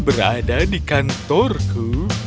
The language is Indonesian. berada di kantorku